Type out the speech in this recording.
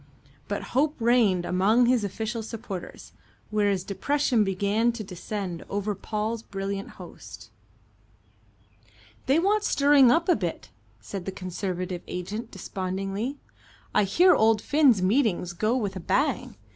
But hope reigned among his official supporters, whereas depression began to descend over Paul's brilliant host. "They want stirring up a bit," said the Conservative agent despondently. "I hear old Finn's meetings go with a bang.